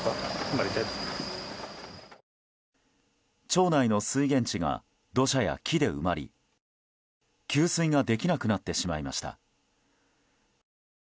町内の水源地が土砂や木で埋まり給水ができなくなってしまいました。